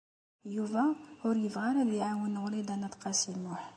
Yuba ur yebɣi ara ad iɛawen Wrida n At Qasi Muḥ.